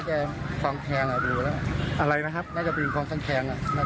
แล้วตอนที่เรามาถึงพี่เกิดเหตุเนี่ยสภาพ